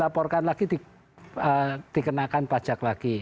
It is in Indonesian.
laporkan lagi dikenakan pajak lagi